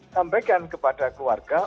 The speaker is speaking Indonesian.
sampaikan kepada keluarga